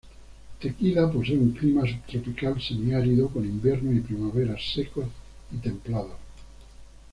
Tequila posee un clima subtropical semiárido, con inviernos y primaveras secos y templados.